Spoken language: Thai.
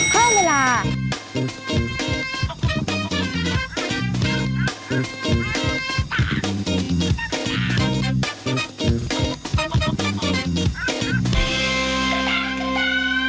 เข้าไปล่ะ